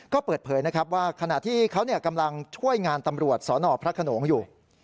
ก็เปิดเผยนะครับว่าขณะที่เขากำลังช่วยงานตำรวจสนพระขนงอยู่